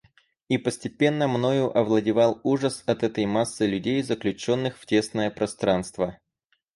И постепенно мною овладевал ужас от этой массы людей, заключенных в тесное пространство.